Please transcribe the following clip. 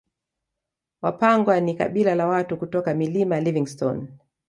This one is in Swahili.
Wapangwa ni kabila la watu kutoka Milima Livingstone